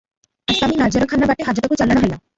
ଆସାମୀ ନାଜରଖାନା ବାଟେ ହାଜତକୁ ଚାଲାଣ ହେଲା ।